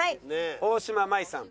大島麻衣さん。